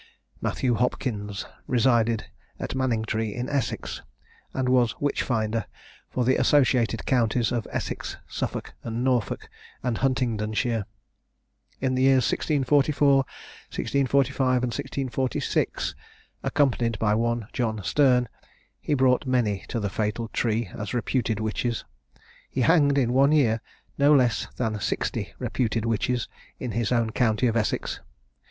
Matthew Hopkins resided at Manningtree, in Essex, and was witch finder for the associated counties of Essex, Suffolk, Norfolk, and Huntingdonshire. In the years 1644, 1645, and 1646, accompanied by one John Stern, he brought many to the fatal tree as reputed witches. He hanged, in one year, no less than sixty reputed witches of his own county of Essex.